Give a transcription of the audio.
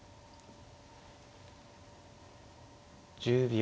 １０秒。